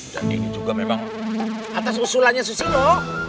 dan ini juga memang atas usulannya susilo